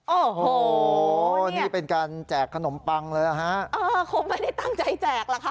โอ้โหนี่เป็นการแจกขนมปังเลยนะฮะเออคงไม่ได้ตั้งใจแจกหรอกค่ะ